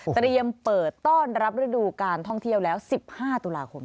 เตรียมเปิดต้อนรับฤดูการท่องเที่ยวแล้ว๑๕ตุลาคม